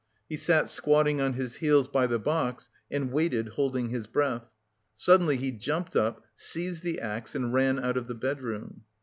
He sat squatting on his heels by the box and waited holding his breath. Suddenly he jumped up, seized the axe and ran out of the bedroom.